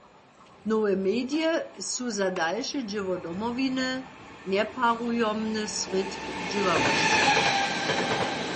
Nowe medije su za dalše dźěło Domowiny njeparujomny srědk dźěławosće.